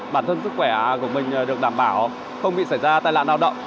bản thân sức khỏe của mình được đảm bảo không bị xảy ra tai nạn lao động